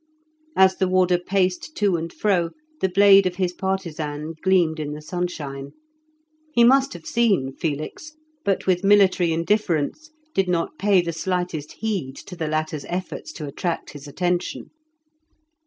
As the warder paced to and fro the blade of his partisan gleamed in the sunshine. He must have seen Felix, but with military indifference did not pay the slightest heed to the latter's efforts to attract his attention.